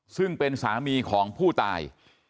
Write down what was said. ซึ่งเป็นสามีของผู้ตาย